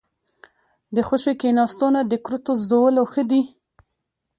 ـ د خوشې کېناستو نه د کرتو زدولو ښه دي.